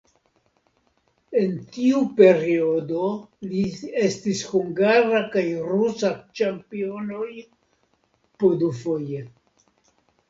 En tiu periodo li estis hungara kaj rusa ĉampionoj po dufoje.